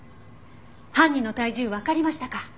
犯人の体重わかりましたか？